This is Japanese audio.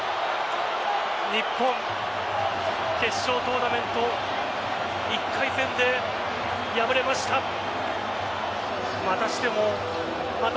日本、決勝トーナメント１回戦で敗れました。